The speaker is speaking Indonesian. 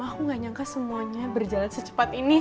aku gak nyangka semuanya berjalan secepat ini